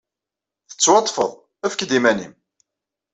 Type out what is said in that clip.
Tettwaḍḍfed. Efk-d iman-nnem!